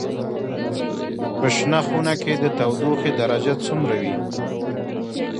په شنه خونه کې د تودوخې درجه څومره وي؟